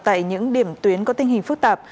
tại những điểm tuyến có tình hình phức tạp